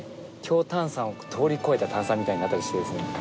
強炭酸を通り越えた炭酸みたいになったりしてですね